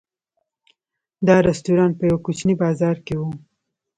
دا رسټورانټ په یوه کوچني بازار کې و.